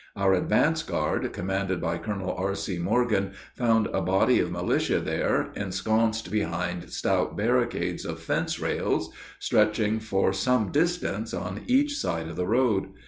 Our advance guard, commanded by Colonel R.C. Morgan, found a body of militia there, ensconced behind stout barricades of fence rails, stretching for some distance on each side of the road.